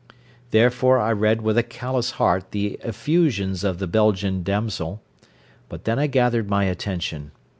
Therefore I read with a callous heart the effusions of the Belgian damsel. But then I gathered my attention.